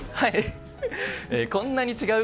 こんなに違う！